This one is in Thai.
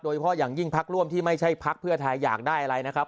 เฉพาะอย่างยิ่งพักร่วมที่ไม่ใช่พักเพื่อไทยอยากได้อะไรนะครับ